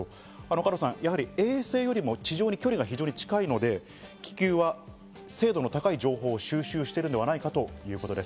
加藤さん、やはり衛星よりも非常に非距離が、非常に近いので、気球は精度の高い情報を収集しているのではないかということです。